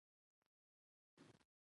که میندې ورکشاپ جوړ کړي نو مهارت به نه وي کم.